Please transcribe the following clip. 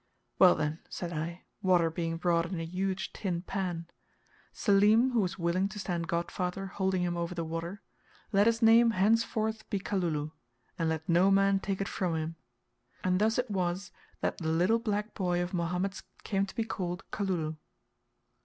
"Well, then," said I, water being brought in a huge tin pan, Selim, who was willing to stand godfather, holding him over the water, "let his name henceforth be Kalulu, and let no man take it from him," and thus it was that the little black boy of Mohammed's came to be called Kalulu.